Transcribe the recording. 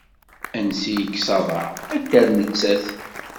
Ansi yekkes aḍar a t-terr nettat.